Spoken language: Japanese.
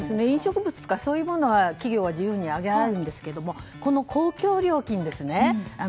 飲食物とかそういうものは企業が自由に上げられるんですけれどもこの公共料金ですね。